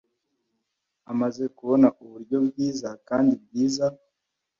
Amaze kubona uburyo bwiza kandi bwiza